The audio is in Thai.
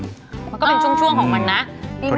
มันก็เป็นช่วงของมันนะ